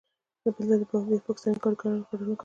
بل ځای بیا پاکستانی کاریګرانو کارونه کول.